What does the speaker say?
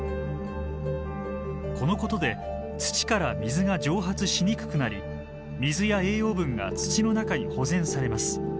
このことで土から水が蒸発しにくくなり水や栄養分が土の中に保全されます。